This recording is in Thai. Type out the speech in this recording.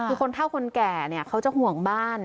คือคนเท่าคนแก่เนี่ยเขาจะห่วงบ้าน